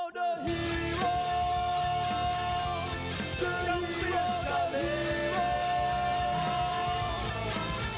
แชมป์เบียร์ชาเลนจ์